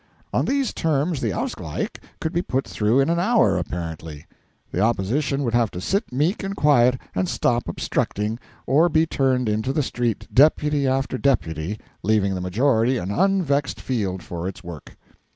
On these terms the Ausgleich could be put through in an hour apparently. The Opposition would have to sit meek and quiet, and stop obstructing, or be turned into the street, deputy after deputy, leaving the Majority an unvexed field for its work.